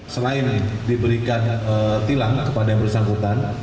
selain diberikan tilang kepada yang bersangkutan